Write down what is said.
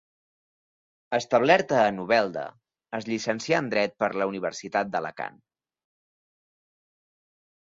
Establerta a Novelda, es llicencià en dret per la Universitat d'Alacant.